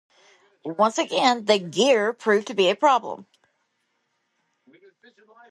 Once again, the gear proved to be a problem.